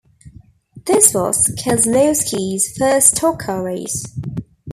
This was Keslowski's first stock car race.